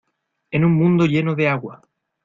en un mundo lleno de agua